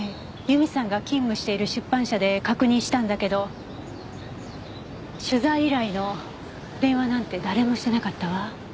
由美さんが勤務している出版社で確認したんだけど取材依頼の電話なんて誰もしてなかったわ。